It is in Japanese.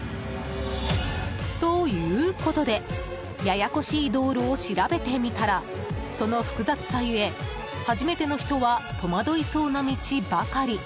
ということでややこしい道路を調べてみたらその複雑さゆえ、初めての人は戸惑いそうな道ばかり。